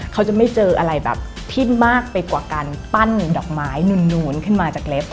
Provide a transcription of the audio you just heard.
เขาจะไม่เจออะไรแบบที่มากไปกว่าการปั้นดอกไม้นูนขึ้นมาจากเล็บ